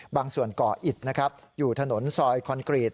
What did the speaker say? บางส่วนก่ออิดนะครับอยู่ถนนซอยคอนกรีต